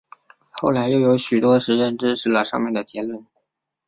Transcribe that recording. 后来又有许多实验支持了上面的结论。